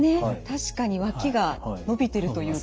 確かに脇が伸びてるというか。